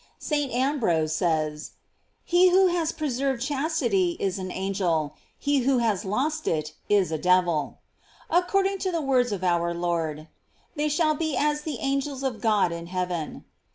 St. Ambrose says: He who has preserved chas tity is an angel, he who has lost it is a devil. f According to the words of our Lord: "They shall be as the angels of God in heaven.